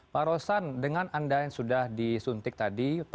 pak rosan dengan anda yang sudah disuntik tadi